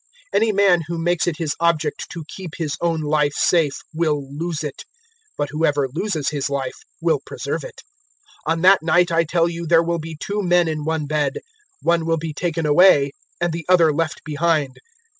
017:033 Any man who makes it his object to keep his own life safe, will lose it; but whoever loses his life will preserve it. 017:034 On that night, I tell you, there will be two men in one bed: one will be taken away and the other left behind.